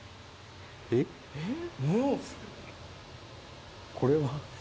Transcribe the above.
えっ？えっ？